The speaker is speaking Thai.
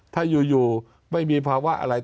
ถ้าอยู่ไม่มีภาวะอะไร